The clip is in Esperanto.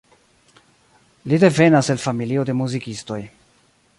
Li devenas el familio de muzikistoj.